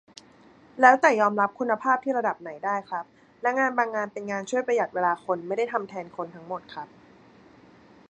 แล้วแต่ยอมรับคุณภาพที่ระดับไหนได้ครับ และงานบางงานเป็นงานช่วยประหยัดเวลาคน ไม่ได้ทำแทนคนทั้งหมดครับ